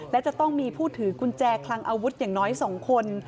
และจะต้องมีผู้ถือกุญแจคลังอาวุธอย่างน้อย๒คน